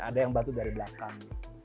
ada yang batu dari belakang